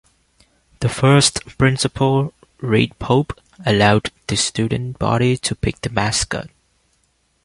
The first principal, Reid Pope, allowed the student body to pick the mascot.